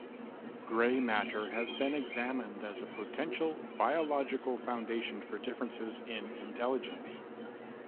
Grey matter has been examined as a potential biological foundation for differences in intelligence.